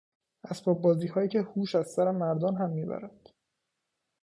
اسباب بازیهایی که هوش از سر مردان هم میبرد